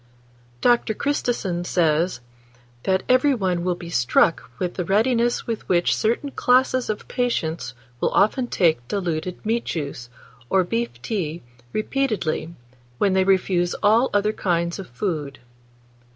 DR. CHRISTISON says that "every one will be struck with the readiness with which certain classes of patients will often take diluted meat juice, or beef tea repeatedly, when they refuse all other kinds of food."